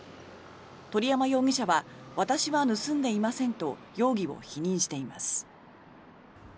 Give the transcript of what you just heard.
鳥山容疑者は私は盗んでいませんと容疑を否認しています。